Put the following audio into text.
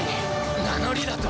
名乗りだと？